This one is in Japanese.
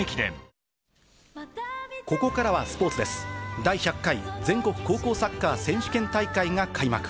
第１００回全国高校サッカー選手権大会が開幕。